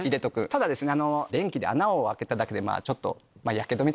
ただですね。